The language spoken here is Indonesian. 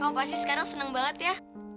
kamu pasti sekarang seneng banget ya